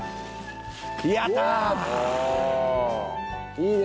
いいね。